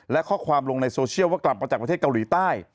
และข้อความลงในโซเชียลว่ากลับมาจากประเทศเกาหลีใต้